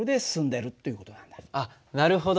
あっなるほど。